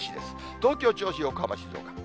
東京、銚子、横浜、静岡。